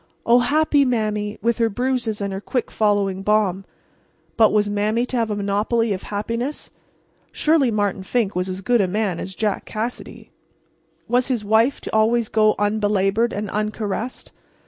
Oh, happy Mame, with her bruises and her quick following balm! But was Mame to have a monopoly of happiness? Surely Martin Fink was as good a man as Jack Cassidy. Was his wife to go always unbelabored and uncaressed?